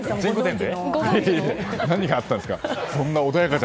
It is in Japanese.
何があったんですか？